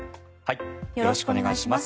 よろしくお願いします。